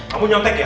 kamu nyantek ya